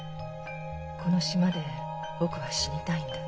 「この島で僕は死にたいんだ」